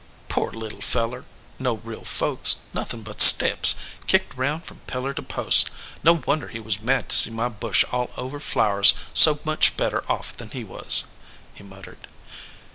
"Poor little feller ! no real folks, nothin but steps, kicked round from pillar to post, no wonder he was mad to see my bush all over flowers so much better off than he was," he muttered.